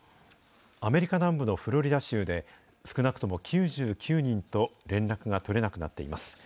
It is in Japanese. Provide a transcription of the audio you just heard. アメリカ南部のフロリダ州で、少なくとも９９人と連絡が取れなくなっています。